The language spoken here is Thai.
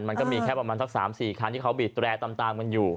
มันก็มีแค่ประมาณสัก๓๔คันที่เขาบีดแรร์ตามกันอยู่